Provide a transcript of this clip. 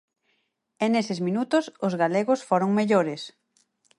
E neses minutos os galegos foron mellores.